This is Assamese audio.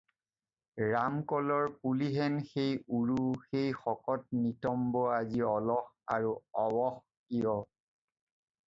ৰাম কলৰ পুলি যেন সেই উৰু সেই শকত নিতম্ব আজি অলস আৰু অৱশ কিয়?